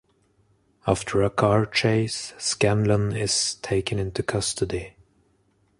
After a car chase, Scanlon is taken into custody.